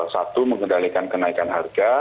satu mengendalikan kenaikan harga